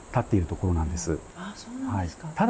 そうなんですか。